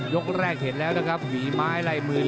ยกแรกเห็นแล้วนะครับฝีไม้ลายมือ